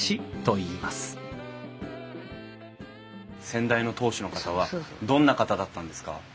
先代の当主の方はどんな方だったんですか？